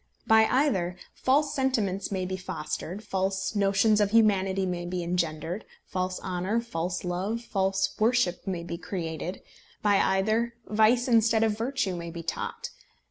By either, false sentiments may be fostered; false notions of humanity may be engendered; false honour, false love, false worship may be created; by either, vice instead of virtue may be taught.